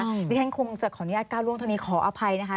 เดี๋ยวฉันคงจะขออนุญาตก้าวล่วงเท่านี้ขออภัยนะคะ